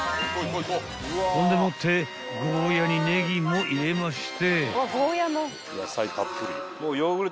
［ほんでもってゴーヤにネギも入れまして］